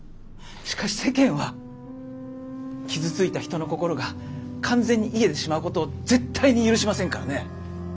しかし世間は傷ついた人の心が完全に癒えてしまうことを絶対に許しませんからね。